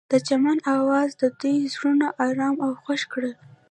د چمن اواز د دوی زړونه ارامه او خوښ کړل.